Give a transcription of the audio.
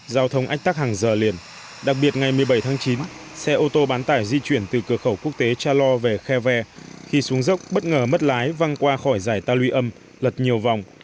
giao thông ách tắc hàng giờ liền đặc biệt ngày một mươi bảy tháng chín xe ô tô bán tải di chuyển từ cửa khẩu quốc tế cha lo về khe ve khi xuống dốc bất ngờ mất lái văng qua khỏi giải ta luy âm lật nhiều vòng